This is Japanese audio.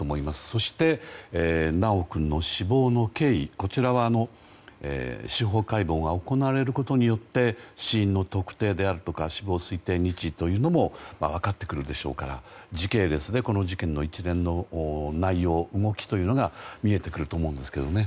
そして、修君の死亡の経緯はこちらは司法解剖が行われることによって死因の特定であるとか死亡推定日時も分かってくるでしょうから時系列で、この事件の一連の内容、動きというのが見えてくると思うんですけどね。